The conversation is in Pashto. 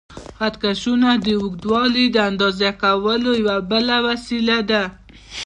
خط کشونه د اوږدوالي د اندازه کولو یوه بله وسیله ده.